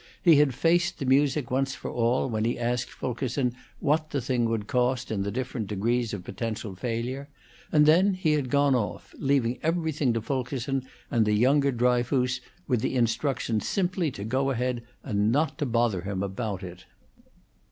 He had faced the music once for all, when he asked Fulkerson what the thing would cost in the different degrees of potential failure; and then he had gone off, leaving everything to Fulkerson and the younger Dryfoos, with the instruction simply to go ahead and not bother him about it.